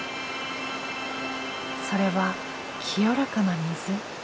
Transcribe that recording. それは清らかな水。